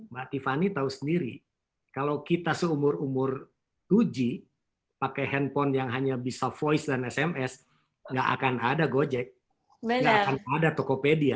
mbak tiffany tahu sendiri kalau kita seumur umur dua g pakai handphone yang hanya bisa voice dan sms nggak akan ada gojek nggak akan ada tokopedia